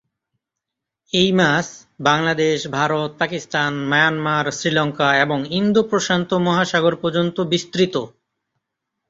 এই মাছ বাংলাদেশ, ভারত, পাকিস্তান, মায়ানমার, শ্রীলঙ্কা এবং ইন্দো প্রশান্ত মহাসাগর পর্যন্ত বিস্তৃত।